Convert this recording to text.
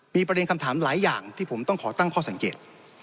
มีประเด็นคำถามหลายอย่างที่ผมต้องขอตั้งข้อสังเกต